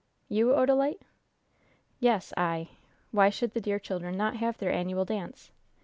"You, Odalite?" "Yes, I! Why should the dear children not have their annual dance?